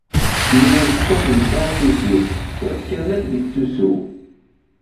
Mmi amecṭuḥ yesɛa tusut, iḍ kamel yettusu.